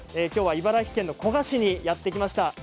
きょうは茨城県の古河市にやって来ました。